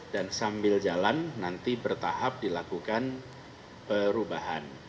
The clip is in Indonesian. dan sambil jalan nanti bertahap dilakukan perubahan